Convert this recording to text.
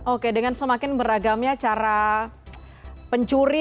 oke dengan semakin beragamnya cara pencuri